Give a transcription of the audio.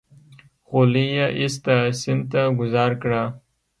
خولۍ يې ايسته سيند ته گوزار کړه.